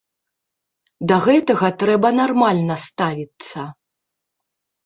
Да гэтага трэба нармальна ставіцца.